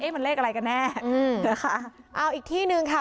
เอ๊ะมันเลขอะไรกันแน่เอาอีกที่หนึ่งค่ะ